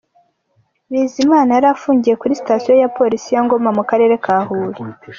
Bizimana yari afungiye kuri stasiyo ya polisi ya Ngoma mu karere ka Huye.